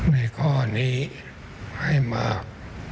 ในข้อนี้ให้มาก